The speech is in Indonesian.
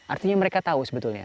artinya mereka tahu sebetulnya